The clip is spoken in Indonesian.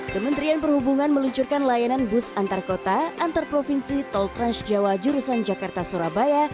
kementerian perhubungan meluncurkan layanan bus antar kota antar provinsi tol transjawa jurusan jakarta surabaya